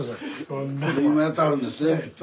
今やってはるんですね。